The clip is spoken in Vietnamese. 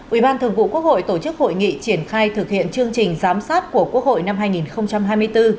ủy ban thường vụ quốc hội tổ chức hội nghị triển khai thực hiện chương trình giám sát của quốc hội năm hai nghìn hai mươi bốn